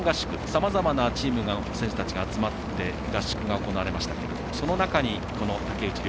さまざまなチームの選手たちが集まって、合宿が行われましたがその中に竹内竜